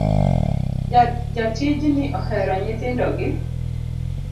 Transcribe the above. Jatijni ohero nyithindo gi